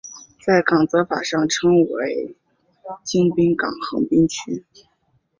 在港则法上称为京滨港横滨区。